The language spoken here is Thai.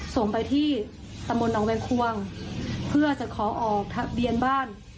ส่งไปที่ตำบลหนองแวงควงเพื่อจะขอออกทะเบียนบ้าน